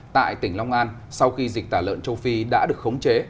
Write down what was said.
tại tỉnh long an sau khi dịch tả lợn châu phi đã được khống chế